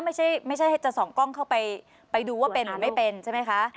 ไม่ใช่จะส่องกล้องเข้าไปไปดูว่าเป็นหรือไม่เป็นใช่ไหมคะ